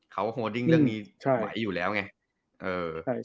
เขาโฮดิ้งเรื่องนี้ไหวอยู่แล้วไง